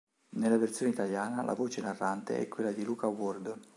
Nella versione italiana, la voce narrante è quella di Luca Ward.